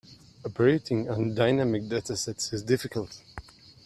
Operating on dynamic data sets is difficult.